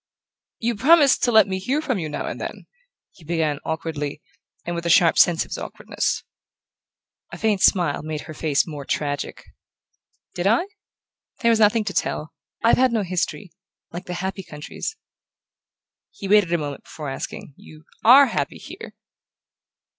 "You promised to let me hear from you now and then," he began awkwardly, and with a sharp sense of his awkwardness. A faint smile made her face more tragic. "Did I? There was nothing to tell. I've had no history like the happy countries..." He waited a moment before asking: "You ARE happy here?"